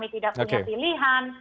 tidak punya pilihan